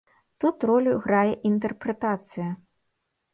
Тут ролю грае інтэрпрэтацыя.